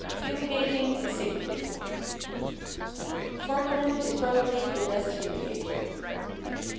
=Fumigating a Sick Room.= Formalin is probably the best fumigator.